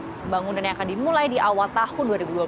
pembangunan yang akan dimulai di awal tahun dua ribu dua puluh